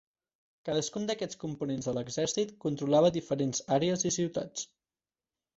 Cadascun d'aquests components de l'exèrcit controlava diferents àrees i ciutats.